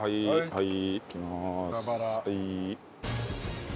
はい。